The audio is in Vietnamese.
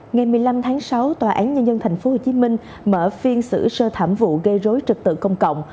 ngày một mươi năm tháng sáu tòa án nhân dân tp hcm mở phiên xử sơ thảm vụ gây rối trực tự công cộng